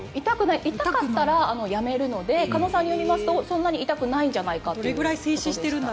いたかったらやめるので鹿野さんによりますとそんなに痛くないんじゃないかと。